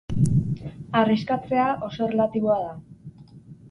Arriskatzea oso erlatiboa da.